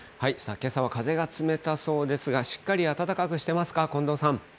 けさは風が冷たそうですが、しっかり暖かくしてますか？